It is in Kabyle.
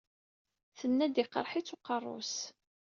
Tenna-d iqerreḥ-itt uqerru-s.